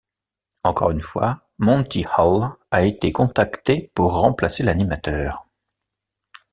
Encore une fois, Monty Hall a été contacté pour remplacer l'animateur.